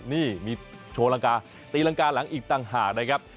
นี่มีโชว์รังกาตีรังกาหลังอีกต่างหากนะครับ